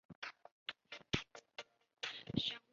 据潘石屹在微博上曾经自述大伯潘钟麟是掉进黄河。